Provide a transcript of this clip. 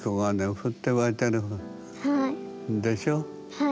はい。